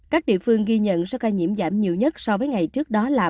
các địa phương ghi nhận số ca nhiễm giảm nhiều nhất so với ngày trước đó là